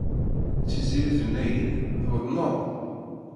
Tiziri tenna-iyi-d, tuḍneḍ?